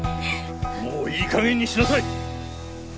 もういい加減にしなさい！